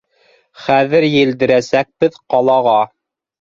Хәҙер елдерәсәкбеҙ ҡалаға.